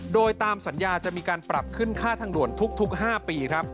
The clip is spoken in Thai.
โดยตามสัญญาจะมีการปรับขึ้นค่าทางด่วนทุก๕ปีครับ